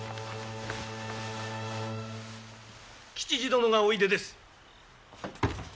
・吉次殿がおいでです。